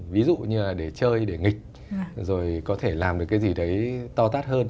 ví dụ như là để chơi để nghịch rồi có thể làm được cái gì đấy to tát hơn